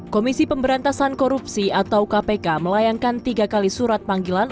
komisi pemberantasan korupsi atau kpk melayangkan tiga kali surat panggilan